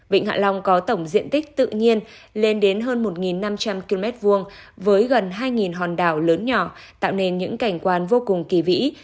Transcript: vịnh hạ long có tổng diện tích tự nhiên lên đến hơn một năm trăm linh km vuông với gần hai hòn đảo lớn nhỏ tạo nên những cảnh quan vô cùng kỳ vĩ